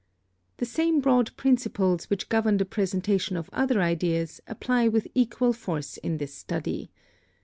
(52) The same broad principles which govern the presentation of other ideas apply with equal force in this study.